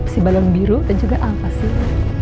si balon biru dan juga alva sih